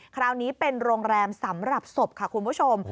คราวนี้เป็นโรงแรมสำหรับศพค่ะคุณผู้ชม